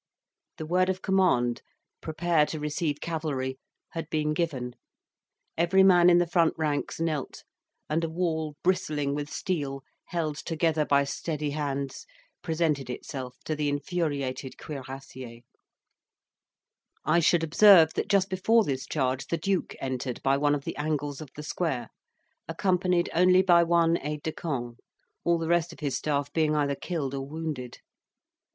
The word of command, "Prepare to receive cavalry," had been given, every man in the front ranks knelt, and a wall bristling with steel, held together by steady hands, presented itself to the infuriated cuirassiers. I should observe that just before this charge the duke entered by one of the angles of the square, accompanied only by one aide de camp; all the rest of his staff being either killed or wounded.